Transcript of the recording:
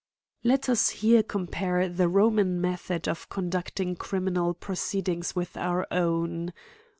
Let us here compare the Roman method of conducting criminal proceedings with our own.